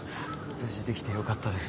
無事できてよかったです。